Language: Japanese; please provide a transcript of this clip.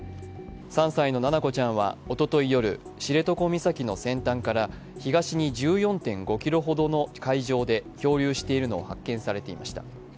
３歳の七菜子ちゃんはおととい夜、知床沖の先端から東に１４．５ｋｍほどの海上で漂流しているのを発見されていました。